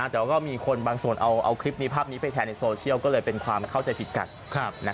แต่ว่าก็มีคนบางส่วนเอาคลิปนี้ภาพนี้ไปแชร์ในโซเชียลก็เลยเป็นความเข้าใจผิดกัน